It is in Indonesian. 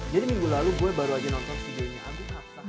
jadi minggu lalu gue baru aja nonton video ini